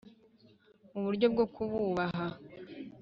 mu buryo bwo kububaha